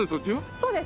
そうです。